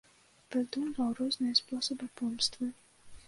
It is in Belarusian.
Прыдумваў розныя спосабы помсты.